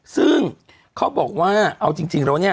ซึ่งเขาบอกว่าเอาจริงแล้วเนี่ย